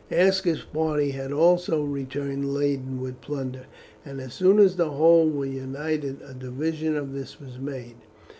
Aska's party had also returned laden with plunder, and as soon as the whole were united a division of this was made.